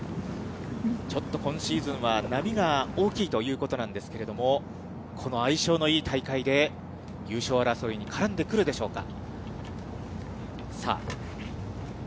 ちょっと今シーズンは波が大きいということなんですけれども、この相性のいい大会で、優勝争いに絡んでくるでしょうか。